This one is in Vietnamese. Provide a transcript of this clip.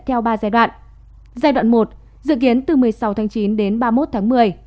giai đoạn một dự kiến từ một mươi sáu tháng chín đến ba mươi một tháng một mươi